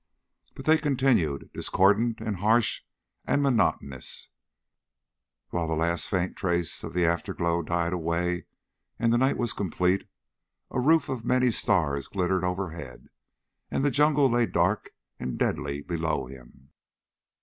But they continued, discordant and harsh and monotonous, while the last faint trace of the afterglow died away and night was complete, and a roof of many stars glittered overhead, and the jungle lay dark and deadly below him.